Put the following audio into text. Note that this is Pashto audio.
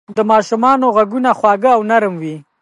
د ماشومانو ږغونه خوږ او نرم وي.